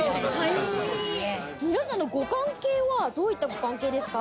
皆さんのご関係は、どういったご関係ですか？